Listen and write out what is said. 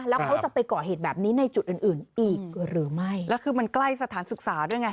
แล้วเขาจะไปก่อเหตุแบบนี้ในจุดอื่นอื่นอีกหรือไม่แล้วคือมันใกล้สถานศึกษาด้วยไง